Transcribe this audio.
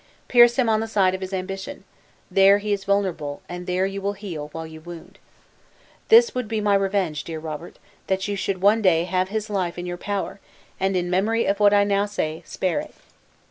Pierce him on the side of his ambition, there he is vulnerable, and there you will heal while you wound. This would be my revenge, dear Robert, that you should one day have his life in your power, and in memory of what I now say, spare it.